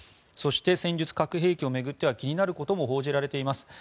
そして、戦術核兵器を巡っては気になることも報じられています。